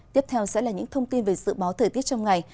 tiếp theo sẽ là những thông tin về dự báo thời tiết trong ngày